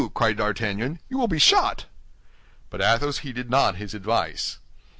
cried D'Artagnan, "you will be shot." But Athos heeded not his advice.